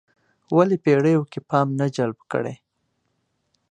ولې پېړیو کې پام نه جلب کړی.